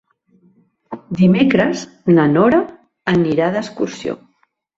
Dimecres na Nora anirà d'excursió.